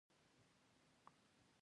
سیاسي او اقتصادي اهداف پکې شامل دي.